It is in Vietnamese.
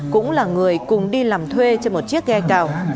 cũng là người cùng đi làm thuê trên một chiếc ghe cào